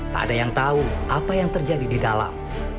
tak ada yang tahu apa yang terjadi di dalam